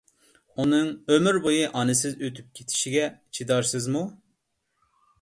ئۇنىڭ ئۆمۈر بويى ئانىسىز ئۆتۈپ كېتىشىگە چىدارسىزمۇ؟